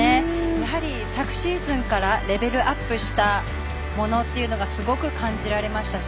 やはり、昨シーズンからレベルアップしたものというのがすごく感じられましたし。